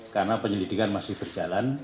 karena penyelidikan masih berjalan